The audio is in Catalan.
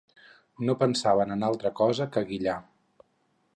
No pensaven en altra cosa que guillar.